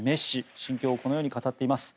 心境をこのように語っています。